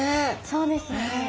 そうですね。